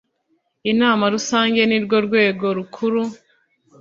inama rusange nirwo rwego rukuru